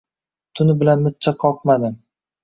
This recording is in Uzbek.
Tuni bilan mijja qoqmadim